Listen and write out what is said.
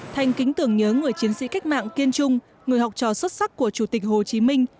thanh kính tưởng nhớ người chiến sĩ cách mạng kiên trung người học trò xuất sắc của chủ tịch hồ chí minh